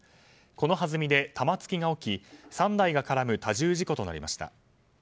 このはずみで玉突きが起き３台が絡む多重事故となりました。